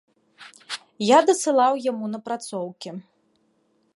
Я дасылаў яму напрацоўкі.